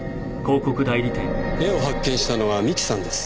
絵を発見したのは三木さんです。